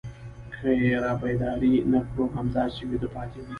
که يې رابيدارې نه کړو همداسې ويدې پاتې وي.